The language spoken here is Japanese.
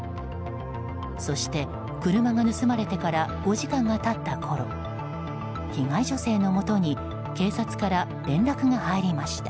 そして車が盗まれてから５時間が経ったころ被害女性のもとに警察から連絡が入りました。